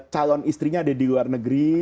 calon istrinya ada di luar negeri